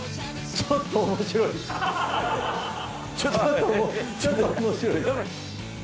ちょっとちょっと面白い。